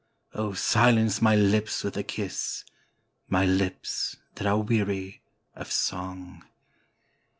Oh, silence my lips with a kiss, My lips that are weary of song!